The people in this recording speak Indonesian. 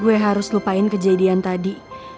gue harus lupain kejadian tadi